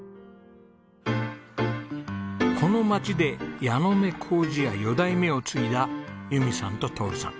この町で矢ノ目糀屋四代目を継いだ由美さんと徹さん。